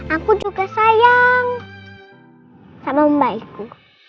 aku juga sayang sama mbak ibu